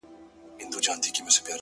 څخه چي څه ووايم څنگه درته ووايم چي